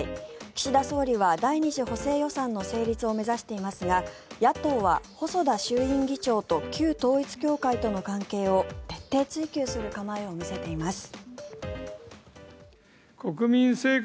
岸田総理は第２次補正予算の成立を目指していますが野党は細田衆院議長と旧統一教会との関係を徹底追及する構えを見せています。